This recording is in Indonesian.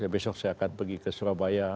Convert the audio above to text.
besok saya akan pergi ke surabaya